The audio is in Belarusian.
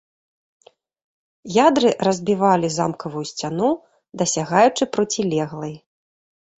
Ядры разбівалі замкавую сцяну, дасягаючы процілеглай.